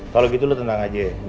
kalo gitu lo tenang aja ya